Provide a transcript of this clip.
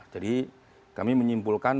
jadi kami menyimpulkan